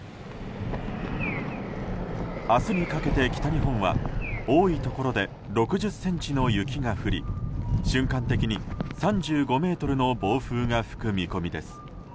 明日にかけて、北日本は多いところで６０ｃｍの雪が降り瞬間的に３５メートルの暴風が吹く見込みです。